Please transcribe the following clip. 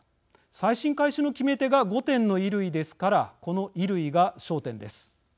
再審開始の決め手が５点の衣類ですからこの衣類が焦点です。